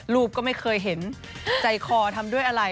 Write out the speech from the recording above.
ก็ไม่เคยเห็นใจคอทำด้วยอะไร